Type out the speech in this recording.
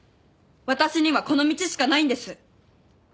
私にはこの道しかないんです。